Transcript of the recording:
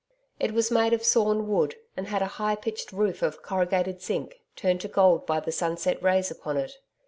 It was made of sawn wood and had a high pitched roof of corrugated zinc, turned to gold by the sunset rays upon it.